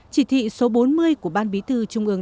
chỉ thị số bốn mươi của ban bí thư trung ương